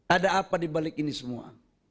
ada apa dibalik ini semua